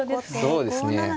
そうですね。